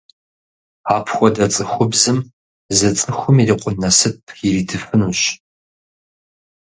Апхуэдэ цӏыхубзым зы цӏыхум ирикъун насып иритыфынущ.